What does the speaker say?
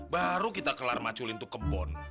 baru kita kelar maculin tuh kebon